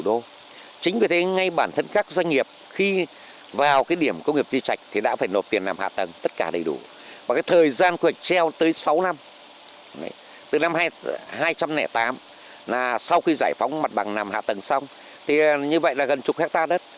do vậy các doanh nghiệp sẽ không có cơ sở để đầu tư dài hạn như vậy được